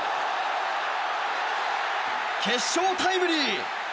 決勝タイムリー！